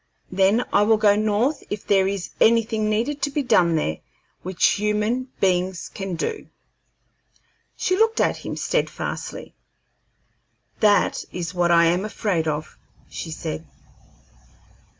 Then I will go North if there is anything needed to be done there which human beings can do." She looked at him steadfastly. "That is what I am afraid of," she said.